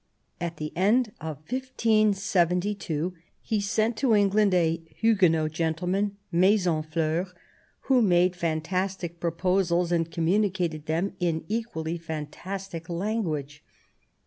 At the end of 1572 he sent to England a Hugue not gentleman, Maisonfieur, who made fantastic pro posals, and communicated them in equally fantastic language.